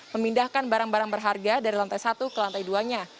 memindahkan barang barang berharga dari lantai satu ke lantai dua nya